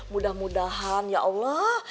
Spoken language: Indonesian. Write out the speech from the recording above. mudah mudahan ya allah